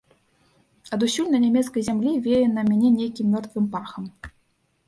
Адусюль на нямецкай зямлі вее на мяне нейкім мёртвым пахам.